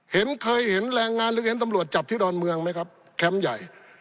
เคยเห็นแรงงานหรือเห็นตำรวจจับที่ดอนเมืองไหมครับแคมป์ใหญ่